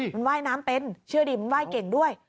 มันว่ายน้ำเป็นเชื่อดิมันไหว้เก่งด้วย